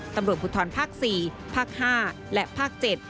ตำรวจภูทรภาค๔ภาค๕และภาค๗